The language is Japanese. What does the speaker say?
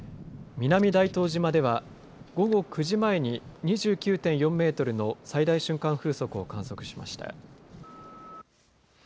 風も強い状態が続いていて南大東島では午後９時前に２９．４メートルの最大瞬間風速を観測しました。